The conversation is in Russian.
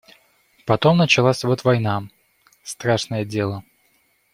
Потом началась вот война — страшное дело.